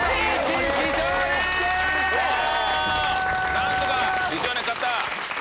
なんとか美少年勝った。